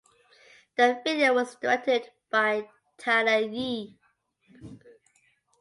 The video was directed by Tyler Yee.